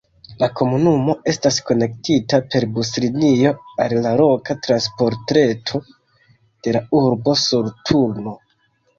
La komunumo estas konektita per buslinio al la loka transportreto de la urbo Soloturno.